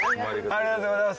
ありがとうございます。